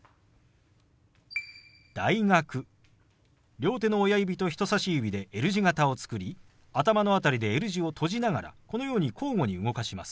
両手の親指と人さし指でＬ字型を作り頭の辺りでＬ字を閉じながらこのように交互に動かします。